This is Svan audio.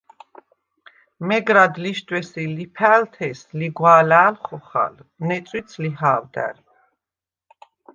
მეგრად ლიშდვეს ი ლიფა̈ლთეს ლიგვა̄ლა̄̈ლ ხოხალ, ნეწვიდს − ლიჰა̄ვდა̈რ.